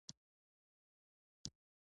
او د يو فروټ جوس د فروټ پۀ مقابله کښې